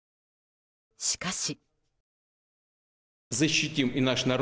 しかし。